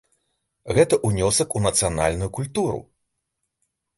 Гэта ўнёсак у нацыянальную культуру.